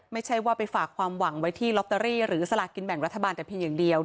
ไม่ใช่ว่าไปฝากความหวังไว้ที่ลอตเตอรี่หรือสลากินแบ่งรัฐบาลแต่เพียงอย่างเดียว